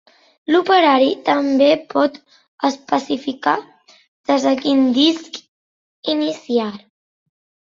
L'operari també pot especificar des de quin disc iniciar.